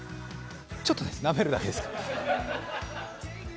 ちょっと、なめるだけです。